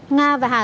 nga và hà